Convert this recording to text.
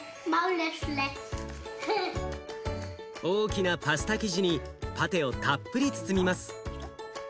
大きなパスタ生地にパテをたっぷり包みます。